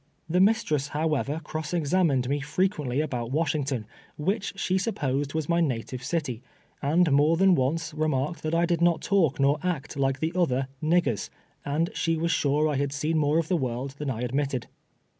The mistress, however, cross examined me frequently aLout Washington, which she supposed was my native city, and more than once remarked that I did not talk nor act like the other " niggers," and she was sui e I had seen more of the world than I admitted.